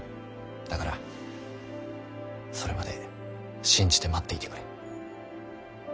だからそれまで信じて待っていてくれ。